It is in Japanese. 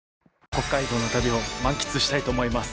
北海道の旅を満喫したいと思います。